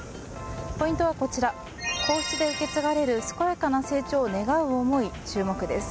ポイントはこちら皇室で受け継がれる健やかな成長を願う思い注目です。